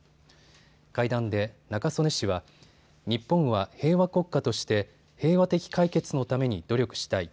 会談で中曽根氏は日本は平和国家として平和的解決のために努力したい。